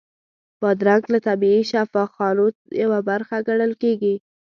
بادرنګ له طبیعي شفاخانو یوه برخه ګڼل کېږي.